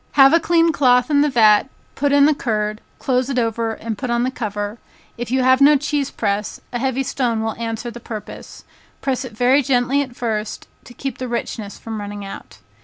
Have a clean cloth in the vat, put in the curd, close it over and put on the cover; if you have no cheese press, a heavy stone will answer the purpose; press it very gently at first, to keep the richness from running out.